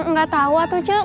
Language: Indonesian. gatau tuh cuk